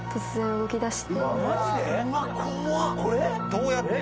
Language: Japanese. どうやって？